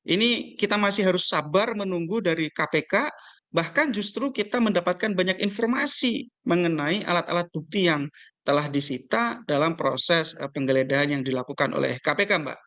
ini kita masih harus sabar menunggu dari kpk bahkan justru kita mendapatkan banyak informasi mengenai alat alat bukti yang telah disita dalam proses penggeledahan yang dilakukan oleh kpk mbak